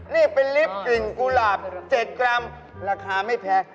นี่เป็นลิฟต์กลิ่นกุหลาบ๗กรัมราคาไม่แพง